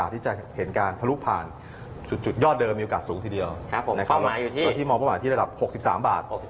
ตอนที่มองประมาณได้ละ๖๓บาท